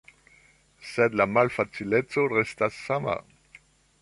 Sed la malfacileco restas sama.